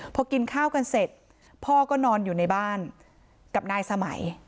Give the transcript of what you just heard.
พอกินข้าวกันเสร็จพ่อก็นอนอยู่ในบ้านกับนายสมัย